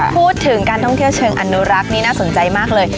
พูดถึงการท่องเที่ยวเชิงอนุรักษ์นี่น่าสนใจมากเลย